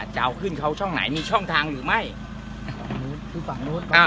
จะเอาขึ้นเขาช่องไหนมีช่องทางหรือไม่อ่า